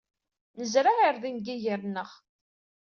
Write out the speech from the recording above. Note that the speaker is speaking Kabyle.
Nezreɛ irden deg yiger-nneɣ.